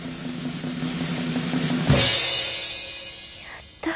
やった。